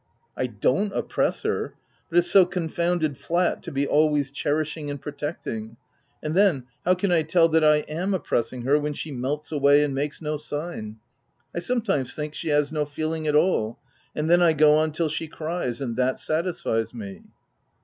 u I don't oppress her ; but it's so confounded flat to be always cherishing and protecting ;— and then how can I tell that I am oppressing her when she c melts away and makes no sign V I sometime thinks she has no feeling at all ; and then I go on till she cries — and that satis fies me."